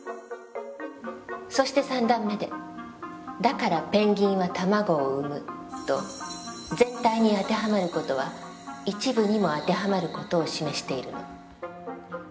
そして三段目で「だからペンギンは卵を産む」と全体に当てはまる事は一部にも当てはまる事を示しているの。